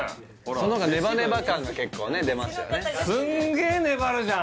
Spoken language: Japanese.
その方がネバネバ感が結構ね出ますよね